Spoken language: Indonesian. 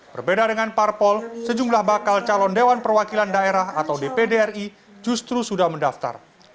berbeda dengan parpol sejumlah bakal calon dewan perwakilan daerah atau dpd ri justru sudah mendaftar